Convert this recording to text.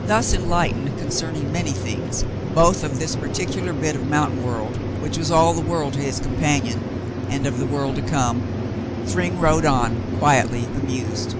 Thus enlightened concerning many things, both of this particular bit of mountain world, which was all the world to his companion, and of the world to come, Thryng rode on, quietly amused.